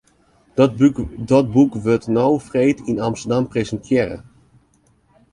Dat boek wurdt no freed yn Amsterdam presintearre.